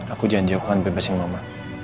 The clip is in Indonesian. aku janjikan bebasin mama